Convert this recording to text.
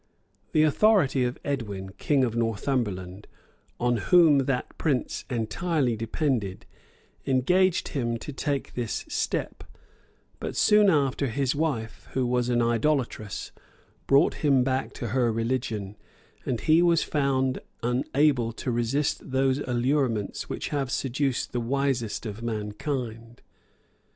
The authority of Edwin, king of Northumberland, on whom that prince entirety depended, engaged him to take this step; but soon after, his wife, who was an idolatress, brought him back to her religion; and he was found unable to resist those allurements which have seduced the wisest of mankind.